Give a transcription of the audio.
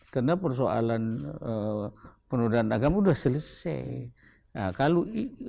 karena persoalan penuh dan agama sudah selesai